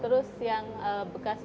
terus yang bekas bekas saus